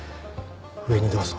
上にどうぞ。